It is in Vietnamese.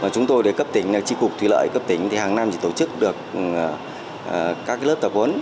chúng tôi để cấp tỉnh tri cục thủy lợi cấp tỉnh thì hàng năm chỉ tổ chức được các lớp tập huấn